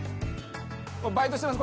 バイトしてます。